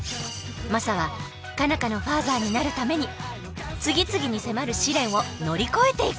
マサは佳奈花のファーザーになるために次々に迫る試練を乗り越えていく。